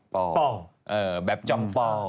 ครั้งปอร์